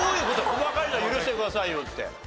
細かいのは許してくださいよって。